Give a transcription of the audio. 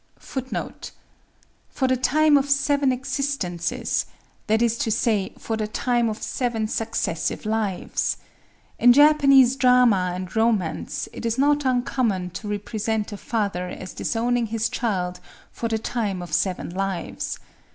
"For the time of seven existences,"—that is to say, for the time of seven successive lives. In Japanese drama and romance it is not uncommon to represent a father as disowning his child "for the time of seven lives."